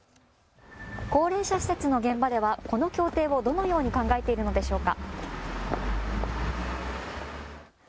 高齢者施設の現場ではこの協定をどのように考えているのでしょうか。